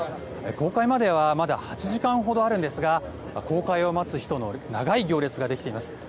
公開まではまだ８時間ほどあるんですが公開を待つ人の長い行列ができています。